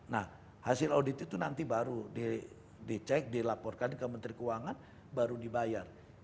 nah hasil audit itu nanti baru dicek dilaporkan ke menteri keuangan baru dibayar